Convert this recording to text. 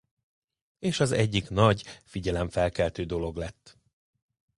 És az egyik nagy figyelemfelkeltő dolog lett.